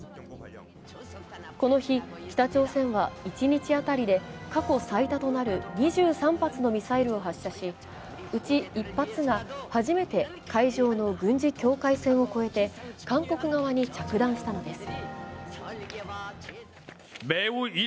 この日、北朝鮮は、一日当たりで過去最多となる２３発のミサイルを発射し、うち１発が初めて海上の軍事境界線を越えて韓国側に着弾したのです。